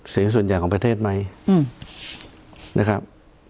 เสียงส่วนใหญ่ของประเทศไหมนะครับ